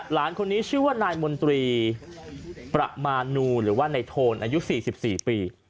หลานคนนี้ชื่อว่านายมนตรีประมาณนูหรือว่าในโทนอายุ๔๔ปี